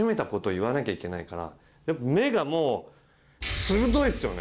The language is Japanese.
やっぱ目がもう鋭いんですよね